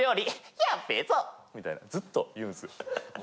みたいなずっと言うんですよ。